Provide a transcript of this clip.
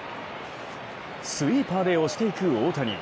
スイーパーで押していく大谷。